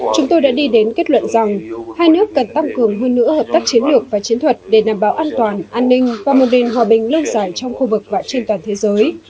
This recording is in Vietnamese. chúng tôi đã đi đến kết luận rằng hai nước cần tăng cường hơn nữa hợp tác chiến lược và chiến thuật để đảm bảo an toàn an ninh và một nền hòa bình lâu dài trong khu vực và trên toàn thế giới